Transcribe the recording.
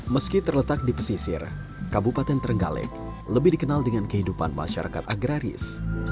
meski terletak di pesisir kabupaten terenggalek lebih dikenal dengan kehidupan masyarakat agraris